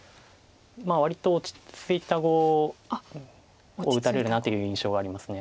割と落ち着いた碁を打たれるなという印象はあります。